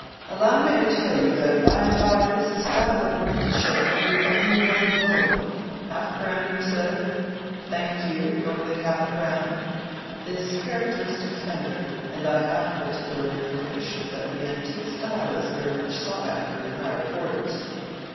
Allow me to tell you that by and by this style of workmanship will be the only one in vogue—half a crown, you said? thank you—going at half a crown, this characteristic fender; and I have particular information that the antique style is very much sought after in high quarters.